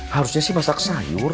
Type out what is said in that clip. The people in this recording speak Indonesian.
harusnya sih masak sayur